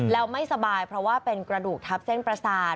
แล้วไม่สบายเพราะว่าเป็นกระดูกทับเส้นประสาท